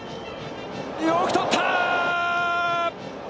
よく捕った！